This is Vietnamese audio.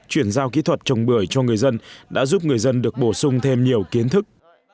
chuyển giao kỹ thuật trồng bưởi cho người dân đã giúp người dân được bổ sung thêm nhiều kiến thức